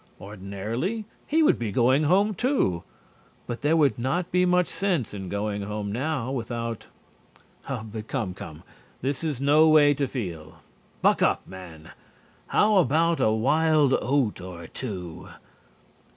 Ordinarily he would be going home, too. But there would not be much sense in going home now, without . But come, come, this is no way to feel! Buck up, man! How about a wild oat or two?